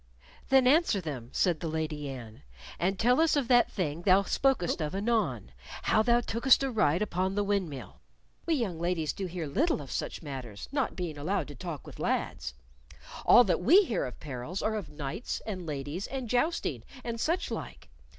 "Then answer them," said the Lady Anne, "and tell us of that thing thou spokest of anon how thou tookest a ride upon the windmill. We young ladies do hear little of such matters, not being allowed to talk with lads. All that we hear of perils are of knights and ladies and jousting, and such like.